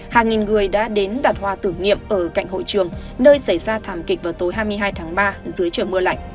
hàng nghìn người đã đến đặt hoa tưởng nghiệm ở cạnh hội trường nơi xảy ra thảm kịch vào tối hai mươi hai tháng ba dưới trời mưa lạnh